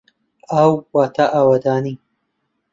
ئاو واتە ئاوەدانی.